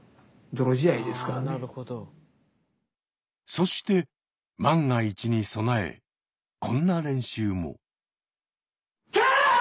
そして万が一に備えこんな練習も。